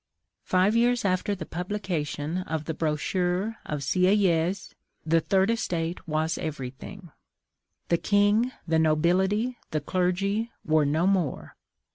Five years after the publication of the brochure of Sieyes, the third estate was every thing; the king, the nobility, the clergy, were no more.